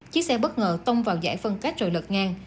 chiếc xe bất ngờ tông vào giải phân cách rồi lật ngang